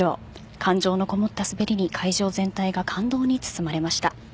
感情のこもった滑りに会場全体が感動に包まれました。